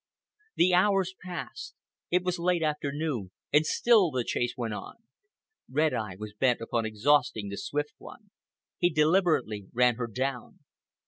The hours passed. It was late afternoon. And still the chase went on. Red Eye was bent upon exhausting the Swift One. He deliberately ran her down.